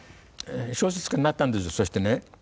小説家になったんですそしてね